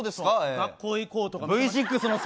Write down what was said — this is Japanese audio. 学校行こうとか。